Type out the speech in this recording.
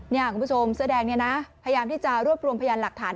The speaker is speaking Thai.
คุณผู้ชมเสื้อแดงเนี่ยนะพยายามที่จะรวบรวมพยานหลักฐาน